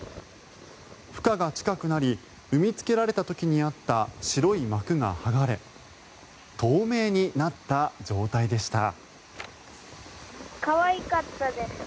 ふ化が近くなり産みつけられた時にあった白い膜が剥がれ透明になった状態でした。